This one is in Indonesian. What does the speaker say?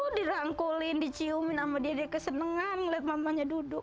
dirangkulin diciumin sama dia dia kesenengan liat mamanya duduk